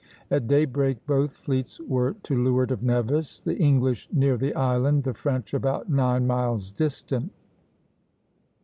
At daybreak both fleets were to leeward of Nevis, the English near the island, the French about nine miles distant (Plate XIX.).